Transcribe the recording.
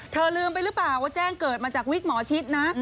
ลืมไปหรือเปล่าว่าแจ้งเกิดมาจากวิกหมอชิดนะ